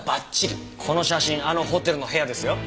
この写真あのホテルの部屋ですよ。